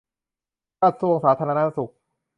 กระทรวงสาธารณสุข